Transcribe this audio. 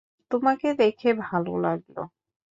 তোমাকে দেখে ভালো লাগলো।